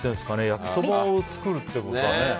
焼きそばを作るってことはね。